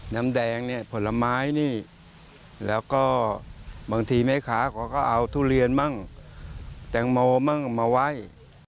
น้ำแดงเนี่ยผลไม้นี่แล้วก็บางทีแม่ค้าเขาก็เอาทุเรียนมั่งแตงโมมั่งมาไว้